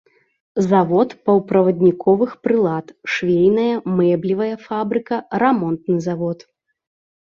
Завод паўправадніковых прылад, швейная, мэблевая фабрыка, рамонтны завод.